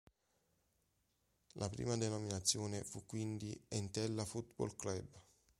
La prima denominazione fu quindi "Entella Foot-Ball Club".